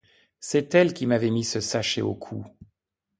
C'est elle qui m'avait mis ce sachet au cou.